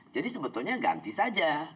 jadi sebetulnya ganti saja